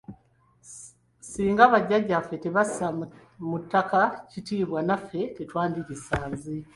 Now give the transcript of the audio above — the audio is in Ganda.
Singa bajjajjaffe tebassa mu ttaka kitiibwa naffe tetwandirisanze.